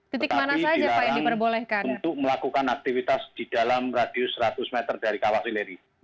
tetapi dilarang untuk melakukan aktivitas di dalam radius seratus meter dari kawah sileri